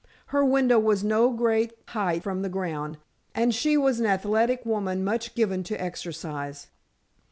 Her window was no great height from the ground, and she was an athletic woman much given to exercise.